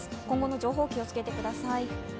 今後の情報、気をつけてください。